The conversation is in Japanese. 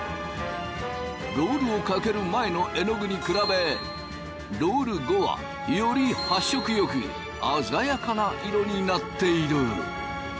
ロールをかける前のえのぐに比べロール後はより発色よくあざやかな色になっている！